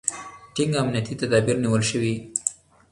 ټینګ امنیتي تدابیر نیول شوي.